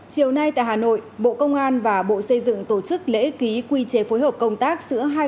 chiều nay tại hà nội bộ công an và bộ xây dựng tổ chức lễ ký quy chế phối hợp công tác giữa hai